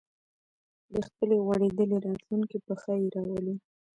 د خپلې غوړېدلې راتلونکې په ښه یې راولو